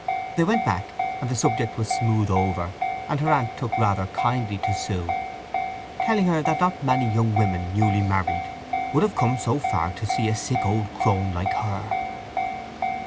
They went back, and the subject was smoothed over, and her aunt took rather kindly to Sue, telling her that not many young women newly married would have come so far to see a sick old crone like her.